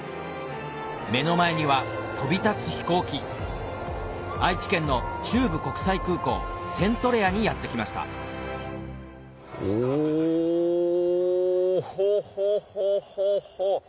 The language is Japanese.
目の前には飛び立つ飛行機愛知県の中部国際空港セントレアにやって来ましたおほほほほほ！